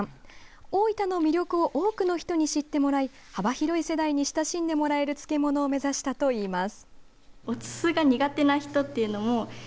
大分の魅力を多くの人に知ってもらい幅広い世代に親しんでもらえる漬物を目指したといいます。